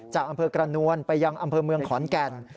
จากอำเภอกระนวลไปยังอำเภอเมืองขอนแก่น